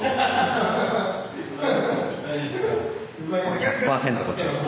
１００％こっちです。